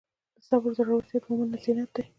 د صبر زړورتیا د مؤمن زینت دی.